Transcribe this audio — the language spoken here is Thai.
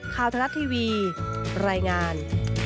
ทะลัดทีวีรายงาน